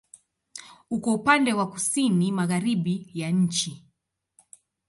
Uko upande wa kusini-magharibi ya nchi.